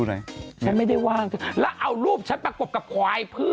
ฉันไม่ได้ว่างและเอารูปฉันประกบกับควายเผื้อ